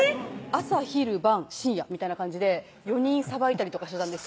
朝・昼・晩・深夜みたいな感じで４人さばいたりとかしてたんです